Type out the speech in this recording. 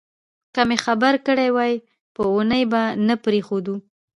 که مې خبر کړي وای په اوونیو به نه پرېښودو.